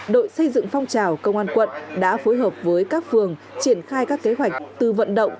đội xây dựng phong trào công an quận đã phối hợp với các phường triển khai các kế hoạch từ vận động